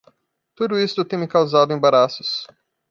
Tudo isto tem me causado embaraços